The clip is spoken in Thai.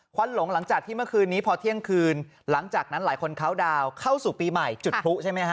วันหลงหลังจากที่เมื่อคืนนี้พอเที่ยงคืนหลังจากนั้นหลายคนเขาดาวน์เข้าสู่ปีใหม่จุดพลุใช่ไหมฮะ